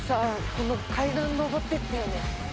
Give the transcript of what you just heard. この階段上ってったよね。